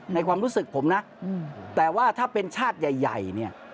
ความรู้สึกผมนะแต่ว่าถ้าเป็นชาติใหญ่เนี่ย